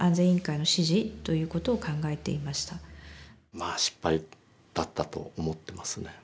まあ失敗だったと思ってますね。